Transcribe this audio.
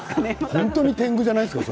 本当にてんぐじゃないですかね。